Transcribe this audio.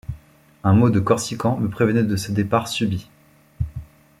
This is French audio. Un mot de Corsican me prévenait de ce départ subit.